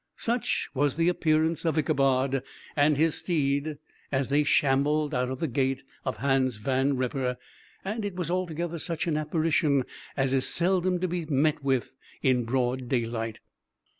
Such was the appearance of Ichabod and his steed as they shambled out of the gate of Hans Van Ripper, and it was altogether such an apparition as is seldom to be met with in broad daylight.